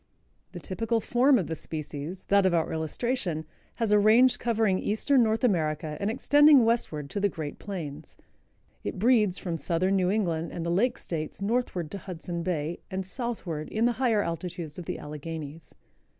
The typical form of the species, that of our illustration, has a range covering Eastern North America and extending westward to the great plains. It breeds from Southern New England and the lake states northward to Hudson Bay and southward in the higher altitudes of the Alleghenies.